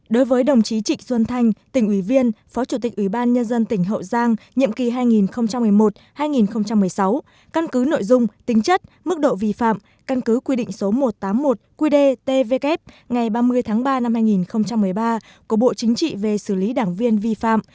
đối với đồng chí trịnh xuân thanh tỉnh ủy viên phó chủ tịch ủy ban nhân dân tỉnh hậu giang nhiệm kỳ hai nghìn một mươi một hai nghìn một mươi sáu căn cứ nội dung tính chất mức độ vi phạm căn cứ quy định số một trăm tám mươi một qd tvk ngày ba mươi tháng ba năm hai nghìn một mươi ba của bộ chính trị về xử lý đảng viên vi phạm